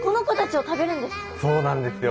そうなんですよ。